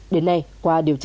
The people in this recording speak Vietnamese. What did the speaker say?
đến nay qua điều tra